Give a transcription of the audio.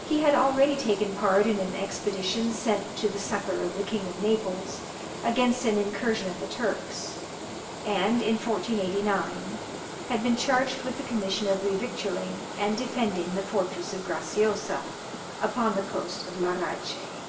He had already taken part in an expedition sent to the succour of the King of Naples against an incursion of the Turks, and in 1489, had been charged with the commission of revictualling and defending the fortress of Graciosa, upon the coast of Larache.